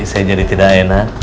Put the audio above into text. saya jadi tidak enak